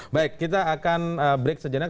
baik kita akan break sejenak